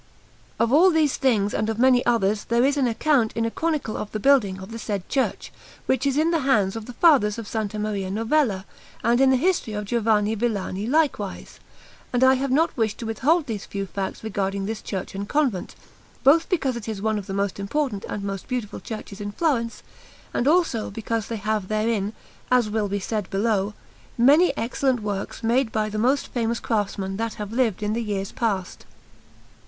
Of all these things and of many others there is an account in a chronicle of the building of the said church, which is in the hands of the fathers of S. Maria Novella, and in the History of Giovanni Villani likewise; and I have not wished to withhold these few facts regarding this church and convent, both because it is one of the most important and most beautiful churches in Florence, and also because they have therein, as will be said below, many excellent works made by the most famous craftsmen that have lived in the years past.